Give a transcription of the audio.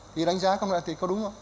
thì đánh giá không là đúng không